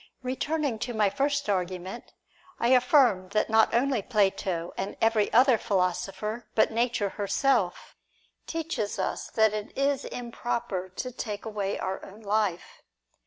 Eeturning to my first argument, I affirm that not only Plato and every other philosopher, but Nature herself, teaches us that it is improper to take away our own life.